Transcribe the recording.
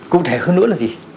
cụ thể hơn nữa là gì